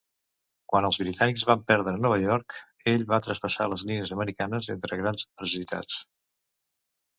Quan els britànics van prendre Nova York ell va traspassar les línies americanes entre grans adversitats.